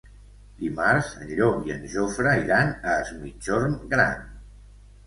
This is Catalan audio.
Dimarts en Llop i en Jofre iran a Es Migjorn Gran.